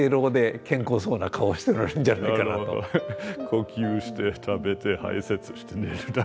呼吸して食べて排せつして寝るだけ。